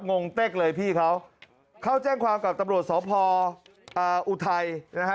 งงเต็กเลยพี่เขาเขาแจ้งความกับตำรวจสพอุทัยนะฮะ